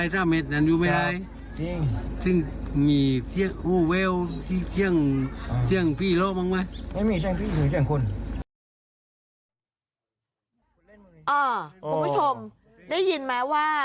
คุณผู้ชมได้ยินไหมว่า